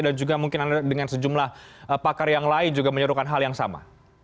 dan juga mungkin anda dengan sejumlah pakar yang lain juga menyuruhkan hal yang sama